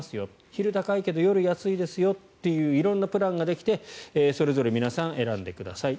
昼高いけど夜安いですよという色んなプランができてそれぞれ皆さん選んでください。